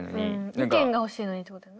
意見が欲しいのにってことやな。